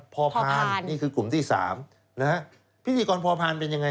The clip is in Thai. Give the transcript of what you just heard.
พอพานนี่คือกลุ่มที่๓นะฮะพิธีกรพอพานเป็นยังไง